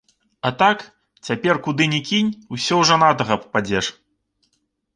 А так, цяпер куды ні кінь, усё ў жанатага пападзеш.